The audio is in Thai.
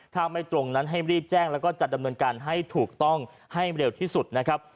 ถ้าไม่ตรงนั้นให้รีบแจ้งแล้วก็จัดดำเนินการให้ถูกต้องให้เร็วที่สุดนะครับ